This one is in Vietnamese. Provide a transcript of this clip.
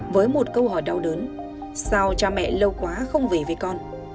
với một câu hỏi đau đớn sao cha mẹ lâu quá không về với con